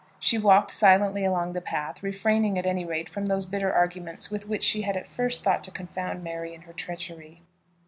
She walked silently along the path, refraining at any rate from those bitter arguments with which she had at first thought to confound Mary in her treachery.